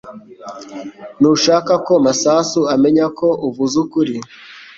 Ntushaka ko Masasu amenya ko uvuze ukuri